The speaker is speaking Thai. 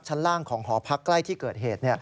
ชั้นล่างของหอพักใกล้ที่เกิดเหตุ